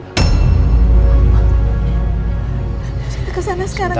kita ke sana sekarang ya